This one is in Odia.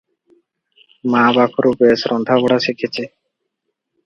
ମା ପାଖରୁ ବେଶ ରନ୍ଧାବଢ଼ା ଶିଖିଛି ।